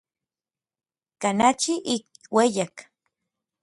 Kanachi ik ueyak.